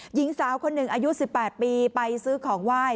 หญิงสาวคนหนึ่งอายุ๑๘ปีไปซื้อของไหว้